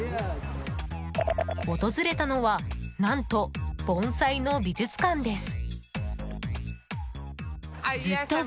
訪れたのは何と盆栽の美術館です。